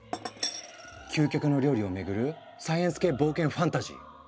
究極の料理をめぐるサイエンス系冒険ファンタジー。